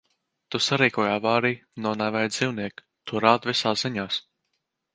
Tu sarīkoji avāriju, nonāvēji dzīvnieku. To rāda visās ziņās.